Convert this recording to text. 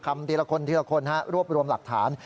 ทีละคนทีละคนรวบรวมหลักฐาน